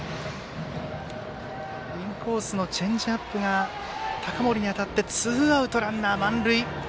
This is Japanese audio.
インコースのチェンジアップが高森に当たってツーアウトランナー、満塁。